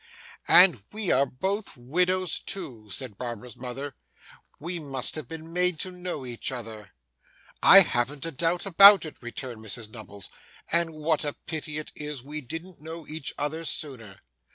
'And we are both widows too!' said Barbara's mother. 'We must have been made to know each other.' 'I haven't a doubt about it,' returned Mrs Nubbles. 'And what a pity it is we didn't know each other sooner.